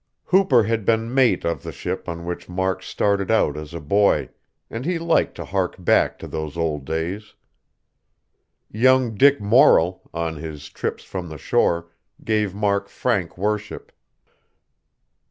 Hooper had been mate of the ship on which Mark started out as a boy; and he liked to hark back to those days. Young Dick Morrell, on his trips from the shore, gave Mark frank worship.